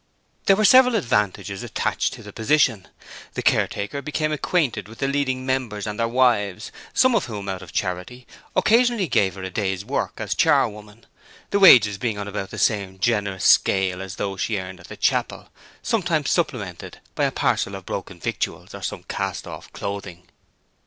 There were several advantages attached to the position: the caretaker became acquainted with the leading members and their wives, some of who, out of charity, occasionally gave her a day's work as charwoman, the wages being on about the same generous scale as those she earned at the Chapel, sometimes supplemented by a parcel of broken victuals or some castoff clothing.